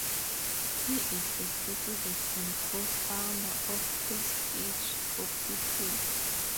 He is the President and Co-Founder of Free Speech for People.